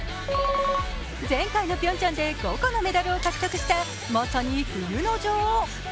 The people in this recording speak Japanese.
前回のピョンチャンで５個のメダルを獲得したまさに冬の女王。